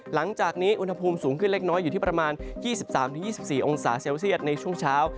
หลังจากนี้อุณหภูมิสูงขึ้นเล็กน้อยอยู่ที่ประมาณ๒๓๒๔องศาเซลเซียตในช่วงเช้า